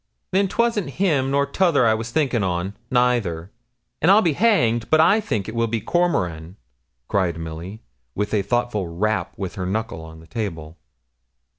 'Then 'twasn't him nor t'other I was thinking on, neither; and I'll be hanged but I think it will be Cormoran,' cried Milly, with a thoughtful rap with her knuckle on the table.